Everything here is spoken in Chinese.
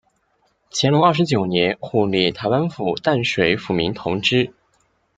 乾隆二十九年护理台湾府淡水抚民同知。